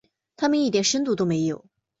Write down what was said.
他们一点深度都没有。